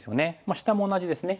下も同じですね。